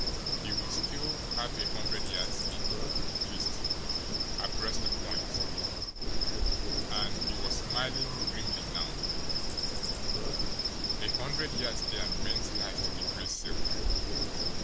He would still have a hundred yards' lead, at least, abreast the point and, he was smiling grimly now, a hundred yards there meant life to the Gray Seal!